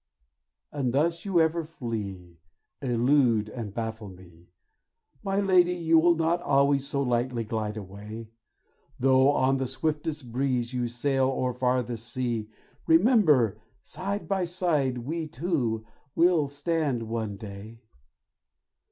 And thus you ever flee, Elude and baffle me, My lady you will not always so lightly glide away; Though on the swiftest breeze, You sail o'er farthest seas, Remember, side by side we two will stand one day.